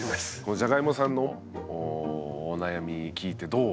じゃがいもさんのお悩み聞いてどう感じましたか？